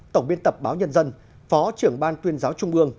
tổng biên tập báo nhân dân